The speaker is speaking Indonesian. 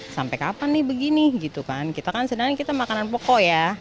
sampai kapan nih begini gitu kan kita kan sedang kita makanan pokok ya